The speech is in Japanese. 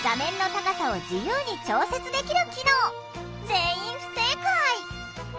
全員不正解！